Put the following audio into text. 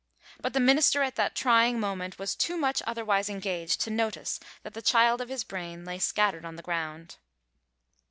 But the minister at that trying moment was too much otherwise engaged to notice that the child of his brain lay scattered on the ground.